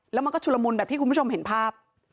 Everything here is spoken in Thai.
แล้วมันก็ชุลมุนแบบที่คุณผู้ชมเห็นภาพ